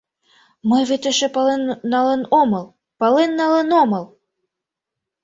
Мый вет эше пален налын омыл, пален налын омыл!